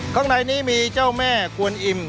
ข้างในนี้มีเจ้าแม่กวนอิ่ม